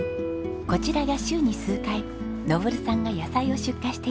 こちらが週に数回昇さんが野菜を出荷しているスーパーです。